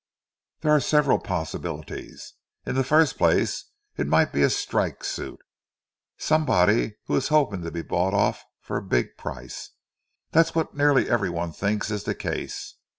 "There are several possibilities. In the first place, it might be a 'strike' suit—somebody who is hoping to be bought off for a big price. That is what nearly every one thinks is the case.